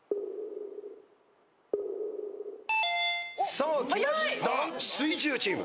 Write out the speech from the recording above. さあきました水１０チーム。